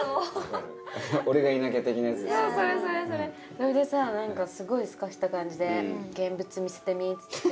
それでさ何かすごいスカした感じで「現物見せてみ？」っつって。